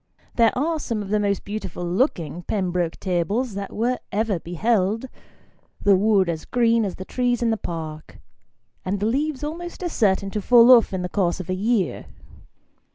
There are some of the most beautiful looking Pembroke tables that were ever beheld : the wood as green as the trees in the Park, and the leaves almost as certain to fall off in the course of a year.